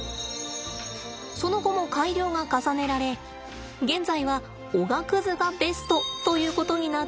その後も改良が重ねられ現在はおがくずがベストということになっています。